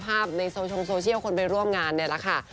ภาพในช่องโซเชียลคนไปร่วมงานเนี้ยล่ะค่ะ